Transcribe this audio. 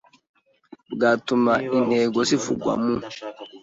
bwatuma intego zivugwa mu